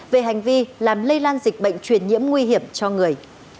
về hành vi làm lây lan dịch bệnh truyền nhiễm nguy hiểm cho người